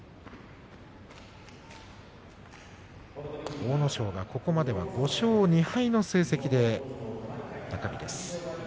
阿武咲がここまでは５勝２敗の成績で中日です。